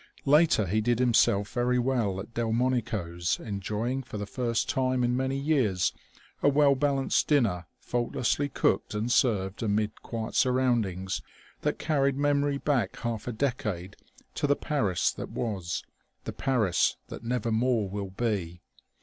Later he did himself very well at Delmonico's, enjoying for the first time in many years a well balanced dinner faultlessly cooked and served amid quiet surroundings that carried memory back half a decade to the Paris that was, the Paris that nevermore will be....